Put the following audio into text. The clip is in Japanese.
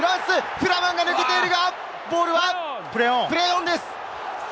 フラマンが抜けているが、ボールはプレーオンです。